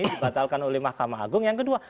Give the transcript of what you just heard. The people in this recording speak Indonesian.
dibatalkan oleh mahkamah agung yang kedua